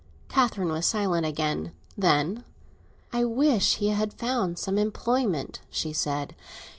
Catherine was silent again; then, "I wish he had found some employment," she said.